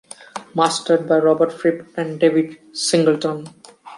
Mastered by Robert Fripp and David Singleton.